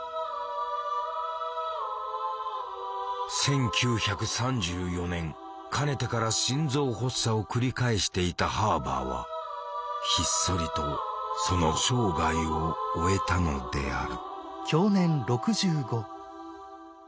１９３４年かねてから心臓発作を繰り返していたハーバーはひっそりとその生涯を終えたのである。